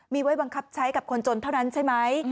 มีไว้บังคับใช้กับคนจนเท่านั้นใช่ไหม